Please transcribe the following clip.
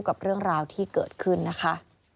กับเรื่องราวที่เกิดขึ้นนะคะ